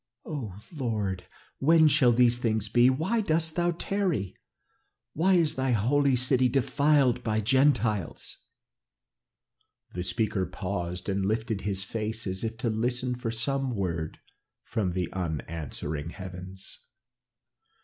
Oh, Lord! when shall these things be? 'Why dost thou tarry? Why is thy holy city defiled by the Gentiles?'" The speaker paused and lifted his face as if to listen for some word from the unanswering heavens.